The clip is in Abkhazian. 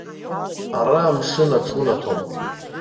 Ара амшын аҽунаҭом.